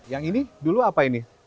yang ini dulu apa ini